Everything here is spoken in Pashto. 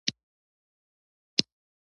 دا سفر د انسان د روح کیسه ده.